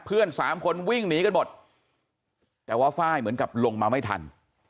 เพื่อน๓คนวิ่งหนีกันหมดแต่ว่าฝ้ายเหมือนกับลงมาไม่ทัน